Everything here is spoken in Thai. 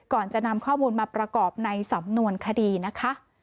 ก่อนจะนำข้อมูลมาประกอบในสำนวนคดีนะคะ